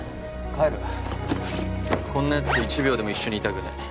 帰るこんなやつと１秒でも一緒にいたくねえ